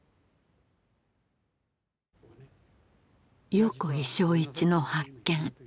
横井庄一の発見